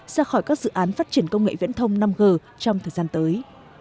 ra khỏi các dự án phát triển công nghệ viễn thông năm g trong thời gian tới